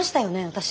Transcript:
私。